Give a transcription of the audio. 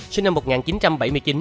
sinh năm một nghìn chín trăm bảy mươi chín